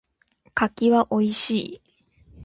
柿は美味しい。